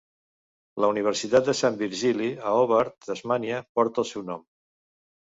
La Universitat de Sant Virgili a Hobart, Tasmània, porta el seu nom.